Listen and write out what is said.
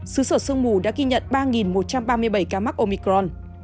xứ sở sương mù đã ghi nhận ba một trăm ba mươi bảy ca mắc omicron